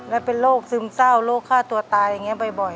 และเป็นโรคซึมเศร้าโรคฆ่าตัวตายอย่างนี้บ่อย